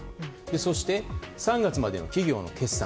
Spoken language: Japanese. そして、３月までの企業の決算。